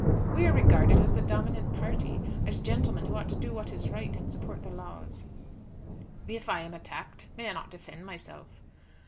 "We are regarded as the dominant party, as gentlemen who ought to do what is right, and support the laws." "If I am attacked may I not defend myself?"